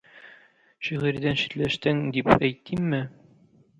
Шигырьдән читләштең, дип әйтимме?